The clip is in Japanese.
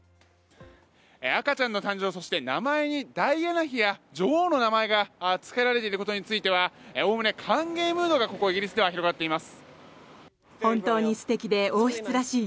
赤ちゃんの誕生そして名前にダイアナ妃や女王の名前がつけられていることについてはおおむね歓迎ムードがここイギリスでは広がっています。